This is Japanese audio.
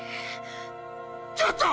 ちょっと！